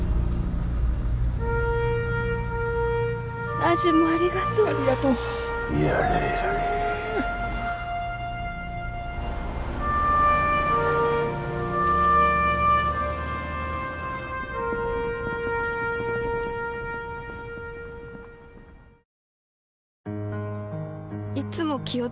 ナジュムありがとうありがとうやれやれいい汗。